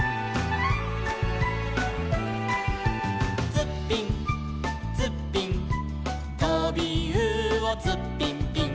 「ツッピンツッピン」「とびうおツッピンピン」